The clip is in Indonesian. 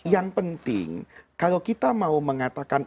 yang penting kalau kita mau mengatakan